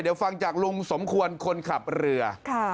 เดี๋ยวฟังจากลุงสมควรคนขับเรือ